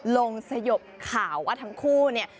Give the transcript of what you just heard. สยบข่าวว่าทั้งคู่เนี่ย